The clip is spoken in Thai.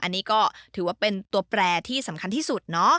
อันนี้ก็ถือว่าเป็นตัวแปรที่สำคัญที่สุดเนาะ